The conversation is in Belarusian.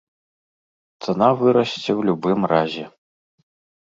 Цана вырасце ў любым разе.